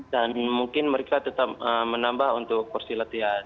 dan mungkin mereka tetap menambah untuk kursi latihan